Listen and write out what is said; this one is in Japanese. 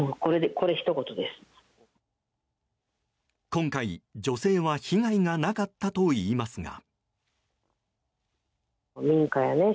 今回、女性は被害がなかったといいますが。